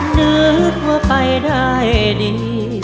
นึกว่าไปได้ดี